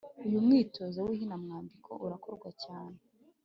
uyu mwitozo w’ihinamwandiko urakorwa cyane